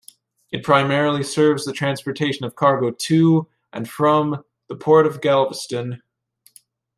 It primarily serves the transportation of cargo to and from the Port of Galveston.